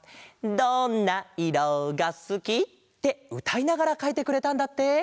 「どんないろがすき」ってうたいながらかいてくれたんだって。